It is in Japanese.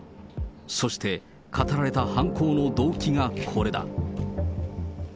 そして語られた犯行の動機がこれだ。